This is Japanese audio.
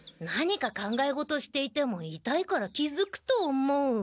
何か考え事していてもいたいから気づくと思う。